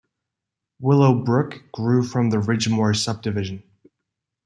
Willowbrook grew from the Ridgemoor subdivision.